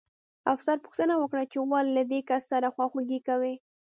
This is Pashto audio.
افسر پوښتنه وکړه چې ولې له دې کس سره خواخوږي کوئ